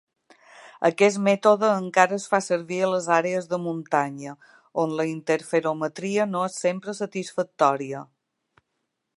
Aquest mètode encara es fa servir a les àrees de muntanya, on la interferometria no és sempre satisfactòria.